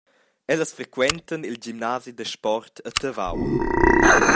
Ellas frequentan il gimnasi da sport a Tavau.